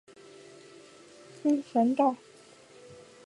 奥克拉荷马市位于奥克拉荷马州的中部。